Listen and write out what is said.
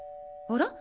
あら？